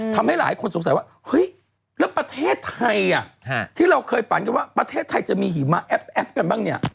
ทำให้หลายคนสงสัยว่าเฮ้ยแล้วประเทศไทยที่เราเคยฝันกันว่าประเทศไทยจะมีหิมะแอปกันบ้างเนี่ย